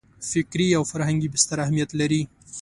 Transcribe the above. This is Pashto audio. فکري او فرهنګي بستر اهمیت لري.